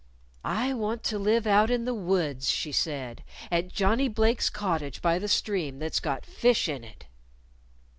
"I want to live out in the woods," she said, "at Johnnie Blake's cottage by the stream that's got fish in it."